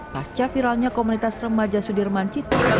pasca viralnya komunitas remaja sudirman citi